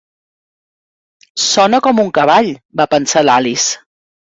'Sona com un cavall', va pensar l'Alice.